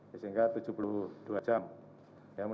sehingga tujuh puluh dua jam